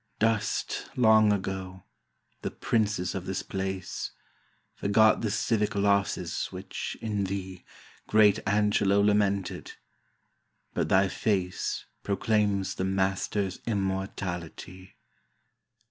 Dust, long ago, the princes of this place ; Forgot the civic losses which in thee Great Angelo lamented ; but thy face Proclaims the master's immortality!